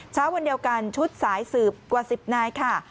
เช้าวันเดียวกันชุดสายสืบกว่า๑๐นายค่ะ